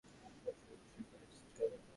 অনেক কৌশলে ও পরিশ্রমে পাত্রী স্থির হইল।